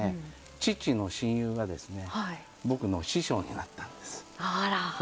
父の親友が僕の師匠になったんです。